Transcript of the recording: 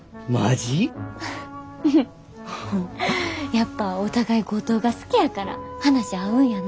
やっぱお互い五島が好きやから話合うんやな。